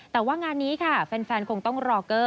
แต่ว่างานนี้ค่ะแฟนคงต้องรอเกอร์